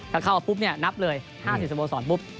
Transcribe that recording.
ถ้าเข้ามาปุ๊บเนี่ยนับเลย๕๐สโมสรปุ๊บ